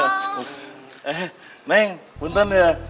eh neng bentar ya